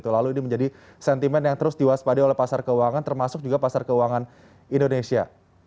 lalu ini menjadi sentimen yang terus diwaspadai oleh pasar keuangan termasuk juga pasar keuangan indonesia